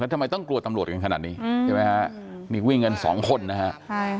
แล้วทำไมต้องกลัวตำรวจกันขนาดนี้มีวิ่งเงิน๒คนนะครับ